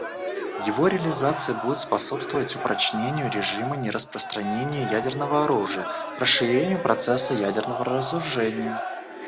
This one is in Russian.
Его реализация будет способствовать упрочению режима нераспространения ядерного оружия, расширению процесса ядерного разоружения.